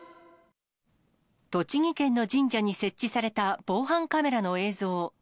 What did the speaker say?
栃木県の神社に設置された防犯カメラの映像。